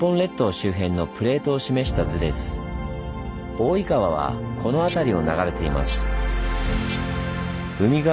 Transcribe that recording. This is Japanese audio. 大井川はこの辺りを流れています。